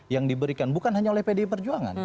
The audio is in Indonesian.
yang diberikan bukan hanya oleh pdi perjuangan